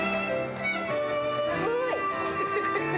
すごい！